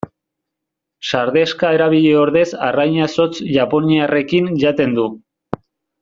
Sardexka erabili ordez arraina zotz japoniarrekin jaten du.